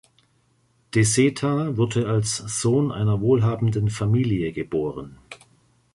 De Seta wurde als Sohn einer wohlhabenden Familie geboren.